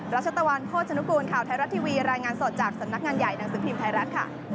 ชตะวันโภชนุกูลข่าวไทยรัฐทีวีรายงานสดจากสำนักงานใหญ่หนังสือพิมพ์ไทยรัฐค่ะ